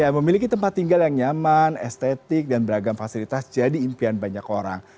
memiliki tempat tinggal yang nyaman estetik dan beragam fasilitas jadi impian banyak orang